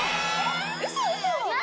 ウソウソ！？